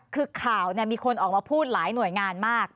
คือข่าวมีคนออกมาพูดหลายหน่วยงานมาก